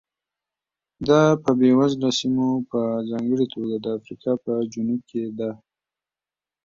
دا په بېوزله سیمو په ځانګړې توګه د افریقا په جنوب کې ده.